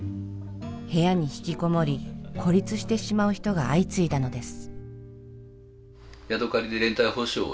部屋に引きこもり孤立してしまう人が相次いだのです。